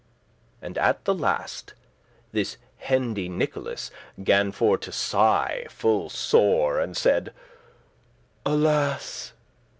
*dwellest And at the last this Hendy Nicholas Gan for to sigh full sore, and said; "Alas!